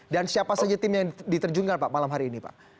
dan siapa saja tim yang diterjungkan pak malam hari ini pak